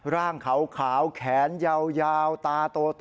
ร่างเขาขาวแขนเยาตาโต